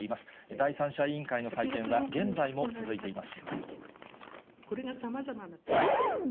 第三者委員会の会見が現在も続いています。